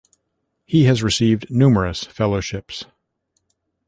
He has received numerous fellowships.